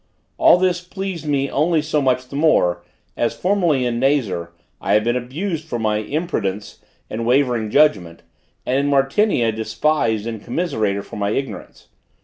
All this pleased me only so much the more, as formerly in Nazar I had been abused for my imprudence and wavering judgment, and in Martinia despised and commiserated for my ignorance.